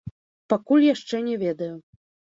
Пакуль яшчэ не ведаю.